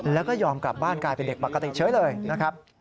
แล้วก็ยอมกลับบ้านกลายเป็นเด็กปกติเฉยเลยนะครับ